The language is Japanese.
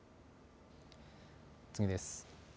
次です。